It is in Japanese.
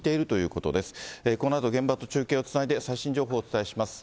このあと現場と中継をつないで最新情報をお伝えします。